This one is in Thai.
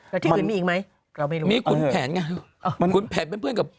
แต่ที่อื่นมีอีกไหมเราไม่รู้มีขุนแผนไงขุนแผนเป็นเพื่อนกับ